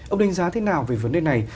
ông đánh giá thế nào về vấn đề này